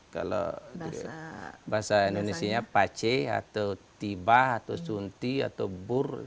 kalau bahasa indonesia pace atau tiba atau sunti atau bur